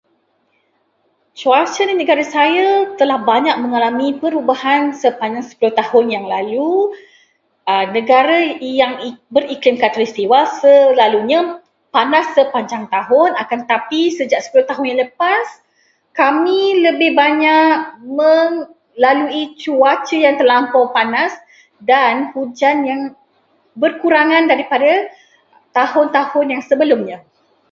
Cuaca di negara saya telah banyak mengalami perubahan sepanjang sepuluh tahun yang lalu. Negara yang beriklim khatulistiwa selalunya panas sepanjang tahun. Akan tetapi, sejak sepuluh tahun yang lepas, kami lebih banyak melalui cuaca yang terlampau panas dan hujan yang berkurangan daripada tahun-tahun yang sebelumnya.